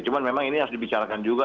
cuma memang ini harus dibicarakan juga